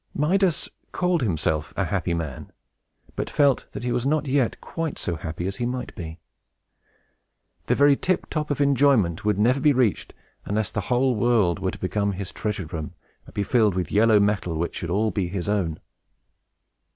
Midas called himself a happy man, but felt that he was not yet quite so happy as he might be. The very tiptop of enjoyment would never be reached, unless the whole world were to become his treasure room, and be filled with yellow metal which should be all his own.